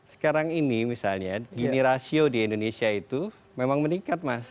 sekarang ini misalnya gini rasio di indonesia itu memang meningkat mas